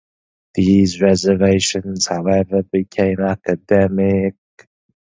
These reservations, however, become academic.